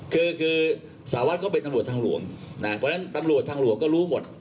คือคือสารวัตรก็เป็นตำรวจทางหลวงนะเพราะฉะนั้นตำรวจทางหลวงก็รู้หมด